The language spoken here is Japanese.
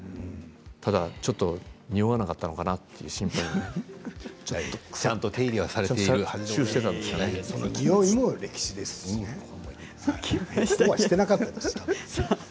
ただちょっと匂わなかったのかなという心配がきちんと手入れをにおいはしていなかったですよ。